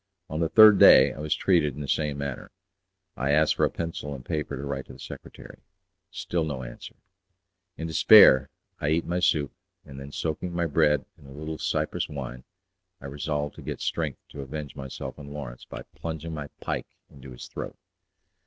On the third day I was treated in the same manner. I asked for a pencil and paper to write to the secretary. Still no answer. In despair, I eat my soup, and then soaking my bread in a little Cyprus wine I resolved to get strength to avenge myself on Lawrence by plunging my pike into his throat.